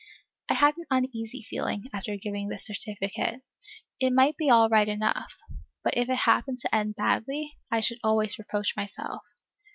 I had an uneasy feeling, after giving this certificate. It might be all right enough; but if it happened to end badly, I should always reproach myself.